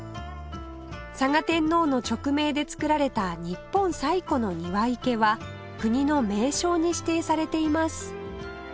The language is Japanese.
嵯峨天皇の勅命で造られた日本最古の庭池は国の名勝に指定されています